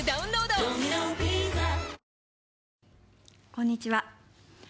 こんにちは。